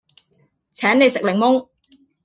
請你食檸檬